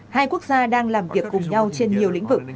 hai quốc gia đang làm việc cùng nhau trên nhiều lĩnh vực